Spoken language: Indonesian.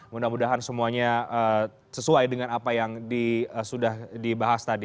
mudah mudahan semuanya sesuai dengan apa yang sudah dibahas tadi